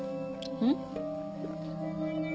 うん？